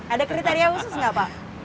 ada kriteria khusus nggak pak